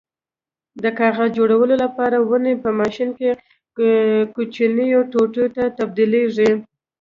د کاغذ جوړولو لپاره ونې په ماشین کې کوچنیو ټوټو ته تبدیلېږي.